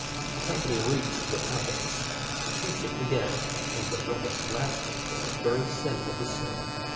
When the company reached the palace, the feasting began, and the revels lasted till the very setting of the sun.